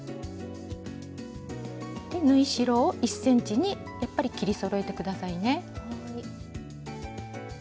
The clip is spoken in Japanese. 縫い代を１ｃｍにやっぱり切りそろえて下さいね。